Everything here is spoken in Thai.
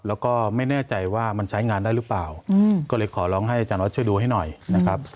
แล้วก็ไม่แน่ใจว่ามันใช้งานได้หรือเปล่าก็เลยขอร้องให้อาจารย์ออสช่วยดูให้หน่อยนะครับ